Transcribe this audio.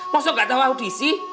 masa nggak tau audisi